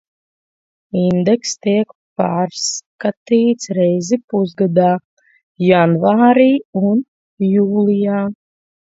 Indekss tiek pārskatīts reizi pusgadā – janvārī un jūlijā.